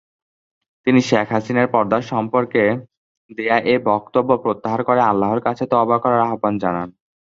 তিনি শেখ হাসিনার পর্দা সম্পর্কে দেয়া এ বক্তব্য প্রত্যাহার করে আল্লাহর কাছে তওবা করার আহ্বান জানান।